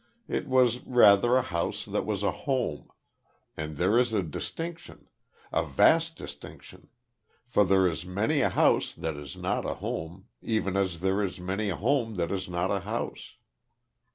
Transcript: It was, rather, a house that was a home and there is a distinction a vast distinction; for there is many a house that is not a home even as there is many a home that is not a house.